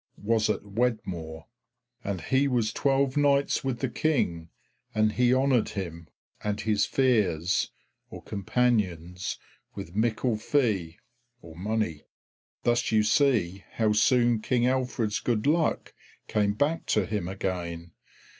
] was at Wedmore. And he was twelve nights with the King, and he honoured him and his feres [companions] with mickle fee [money]." Thus you see how soon King Alfred's good luck came back to him again.